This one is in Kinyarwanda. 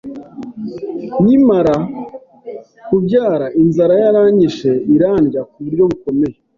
Nkimara kubyara inzara yaranyishe, irandya ku buryo bukomeye